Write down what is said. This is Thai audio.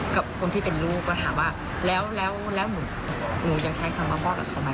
กับคนที่เป็นลูกก็ถามว่าแล้วแล้วหนูยังใช้คำว่าพ่อกับเขาไหม